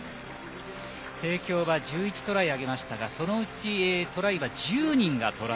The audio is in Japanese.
帝京は１１トライを挙げましたがそのうちトライは１０人がトライ。